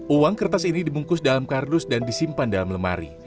uang kertas ini dibungkus dalam kardus dan disimpan dalam lemari